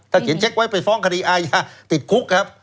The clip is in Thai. ถ้าเขียนเช็กไว้ไปฟ้องคดีไอติดคุกครับ